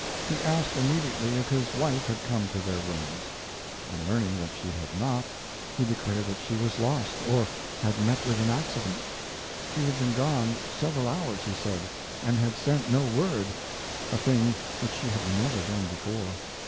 He asked immediately if his wife had come to their rooms. On learning that she had not, he declared that she was lost or had met with an accident. She had been gone several hours, he said, and had sent no word, a thing which she had never done before.